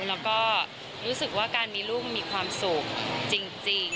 แล้วก็รู้สึกว่าการมีลูกมีความสุขจริง